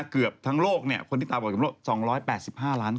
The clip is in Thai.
เกือบทั้งโลกเนี้ยคนที่ตาบอดกับโลกสองร้อยแปดสิบห้าร้านคน